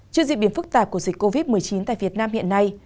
trước dịp biển phức tạp của dịch covid một mươi chín tại việt nam hiện nay